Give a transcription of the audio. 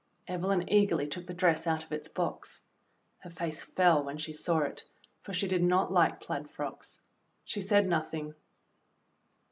Evelyn eagerly took the dress out of its box. Her face fell when she saw it, for she did not like plaid frocks. She said nothing.